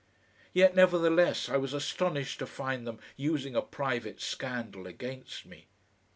Yet, nevertheless, I was astonished to find them using a private scandal against me.